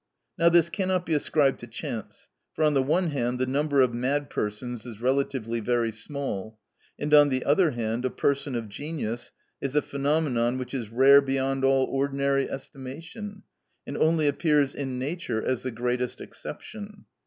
Now this cannot be ascribed to chance, for on the one hand the number of mad persons is relatively very small, and on the other hand a person of genius is a phenomenon which is rare beyond all ordinary estimation, and only appears in nature as the greatest exception.